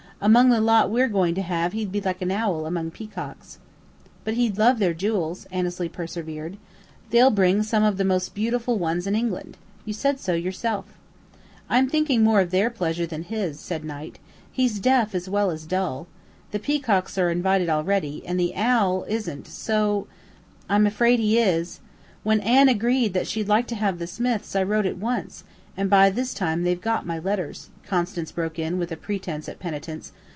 Among the lot we're going to have he'd be like an owl among peacocks." "But he'd love their jewels," Annesley persevered. "They'll bring some of the most beautiful ones in England. You said so yourself." "I'm thinking more of their pleasure than his," said Knight. "He's deaf as well as dull. The peacocks are invited already, and the owl isn't, so " "I'm afraid he is! When Anne agreed that she'd like to have the Smiths I wrote at once; and by this time they've got my letters," Constance broke in with a pretence at penitence.